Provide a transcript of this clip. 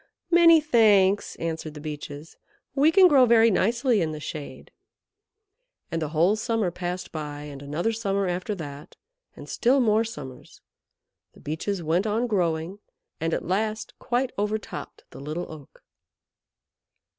"Many thanks," answered the Beeches. "We can grow very nicely in the shade." And the whole summer passed by, and another summer after that, and still more summers. The Beeches went on growing, and at last quite overtopped the Little Oak.